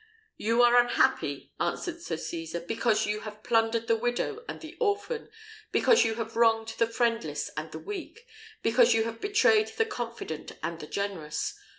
"You are unhappy," answered Sir Cesar, "because you have plundered the widow and the orphan, because you have wronged the friendless and the weak, because you have betrayed the confident and the generous.